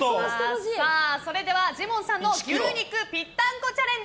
それではジモンさんの牛肉ぴったんこチャレンジ